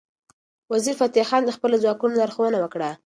وزیرفتح خان د خپلو ځواکونو لارښوونه وکړه.